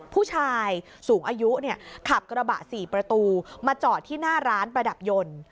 ผู้ชายสูงอายุขับกระบะ๔ประตูมาจอดที่หน้าร้านประดับยนต์